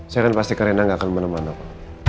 saya kan pasti ke rena gak akan menemanku